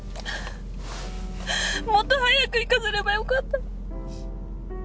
もっと早く行かせればよかった